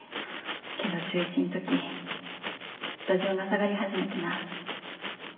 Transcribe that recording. けど中１ん時打順が下がり始めてなぁ。